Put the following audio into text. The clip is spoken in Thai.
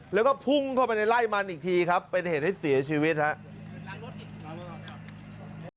แล้วก็พุ่งเข้าไปในไล่มันอีกทีครับเป็นเหตุให้เสียชีวิตครับ